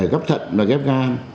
gấp thận và ghép gan